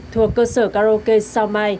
thuộc cơ sở karaoke sao mai